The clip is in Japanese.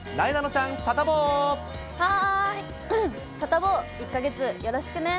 サタボー、１か月よろしくね。